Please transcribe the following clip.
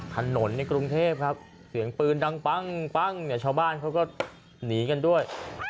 ถนนกรุงเทพฯเสียงปืนดังปั้งชาวบ้านเขาก็หนีกันด้วย